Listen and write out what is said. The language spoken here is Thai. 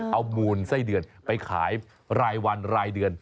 เอามูลไส้เดือนไปขายรายวันรายเดือน